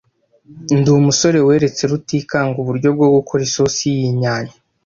Ndi umusore weretse Rutikanga uburyo bwo gukora isosi y'inyanya.